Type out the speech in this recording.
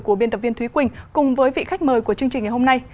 của biên tập viên thúy quỳnh cùng với vị khách mời của chương trình ngày hôm nay